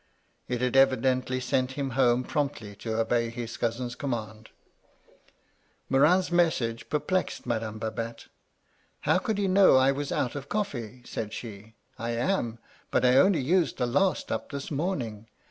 It had evidently sent him home promptly to obey his cousin's command. Morin's message perplexed Madame Babette. "* How could he know I was out of coflFee ?" said she. * I am ; but I only used the last up this morning.